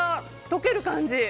溶ける感じ。